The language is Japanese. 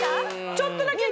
ちょっとだけね。